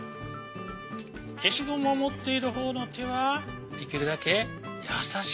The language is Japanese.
けしゴムをもっているほうのてはできるだけやさしく。